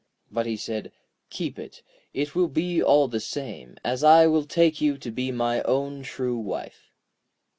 But he said: 'Keep it; it will be all the same, as I will take you to be my own true wife.'